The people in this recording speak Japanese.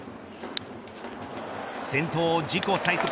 先頭を自己最速